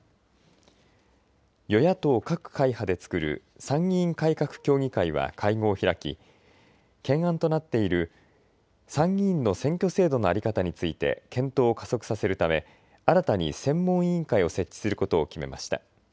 与野党各会派で作る参議院改革協議会は会合を開き懸案となっている参議院の選挙制度の在り方について検討を加速させるため新たに専門委員会を設置することを決めました。